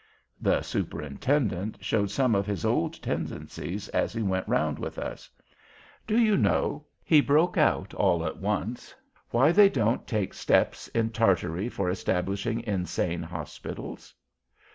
The Superintendent showed some of his old tendencies, as he went round with us. "Do you know"—he broke out all at once—"why they don't take steppes in Tartary for establishing Insane Hospitals?"